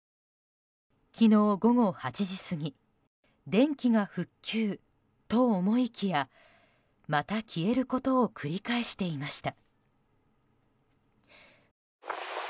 昨日、午後８時過ぎ電気が復旧と思いきやまた消えることを繰り返していました。